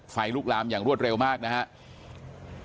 ไฟลุกลามอย่างรวดเร็วมากนะครับ